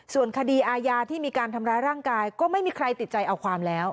ส่วนคดีอาญาที่มีการทำร้ายร่างกายก็ไม่มีใครติดใจเอาความแล้ว